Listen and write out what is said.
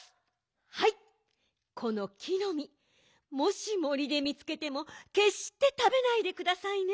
はいこの木のみもし森でみつけてもけっしてたべないでくださいね。